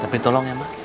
tapi tolong ya mak